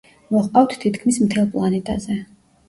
მოჰყავთ თითქმის მთელ პლანეტაზე.